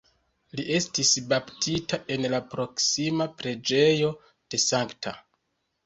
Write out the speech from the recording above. Li estis baptita en la proksima preĝejo de Sankta.